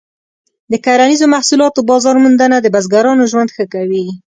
د کرنیزو محصولاتو بازار موندنه د بزګرانو ژوند ښه کوي.